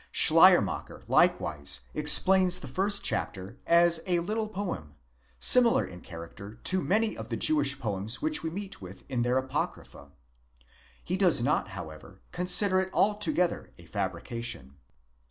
Schleiermacher likewise explains the first chapter as a little poem, similar in character to many of the Jewish poems which we meet with in their apocrypha. He does not however consider it altogether a fabri cation.